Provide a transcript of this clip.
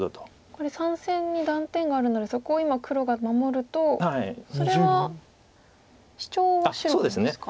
これ３線に断点があるのでそこを今黒が守るとそれはシチョウは白がいいんですか？